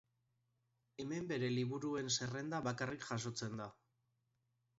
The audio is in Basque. Hemen bere liburuen zerrenda bakarrik jasotzen da.